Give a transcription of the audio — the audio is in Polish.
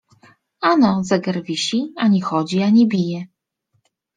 Ano, zegar wisi, ani chodzi, ani bije.